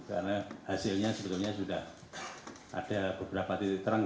karena hasilnya sebetulnya sudah ada beberapa titik terang